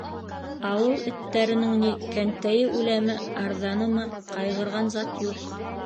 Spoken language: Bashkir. Ауыл эттәренең ни, кәнтәйе үләме, арҙанымы - ҡайғырған зат юҡ.